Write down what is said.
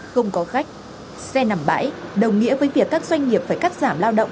không có khách xe nằm bãi đồng nghĩa với việc các doanh nghiệp phải cắt giảm lao động